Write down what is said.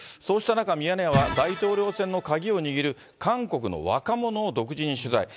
そうした中、ミヤネ屋は大統領選の鍵を握る、韓国の若者を独自に取材。